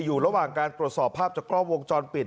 อยู่ระหว่างการตรวจสอบภาพจากกล้องวงจรปิด